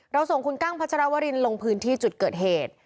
ส่งคุณกั้งพัชรวรินลงพื้นที่จุดเกิดเหตุ